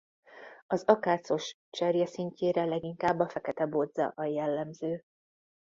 Az akácos cserjeszintjére leginkább a fekete bodza a jellemző.